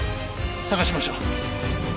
捜しましょう。